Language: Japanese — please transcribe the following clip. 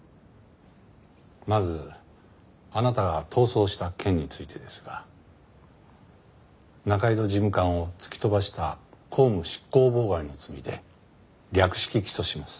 まずあなたが逃走した件についてですが仲井戸事務官を突き飛ばした公務執行妨害の罪で略式起訴します。